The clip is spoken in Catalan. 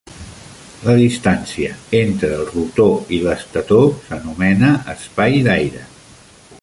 La distància entre el rotor i l'estator s'anomena espai d'aire.